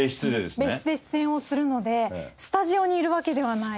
別室で出演をするのでスタジオにいるわけではない。